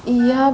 iya bu nur